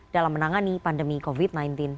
dalam menangani pandemi covid sembilan belas